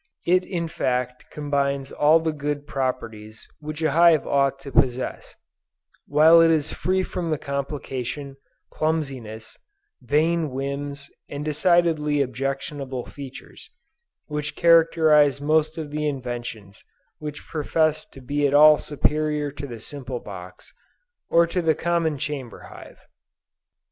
It in fact combines all the good properties which a hive ought to possess, while it is free from the complication, clumsiness, vain whims, and decidedly objectionable features, which characterize most of the inventions which profess to be at all superior to the simple box, or the common chamber hive.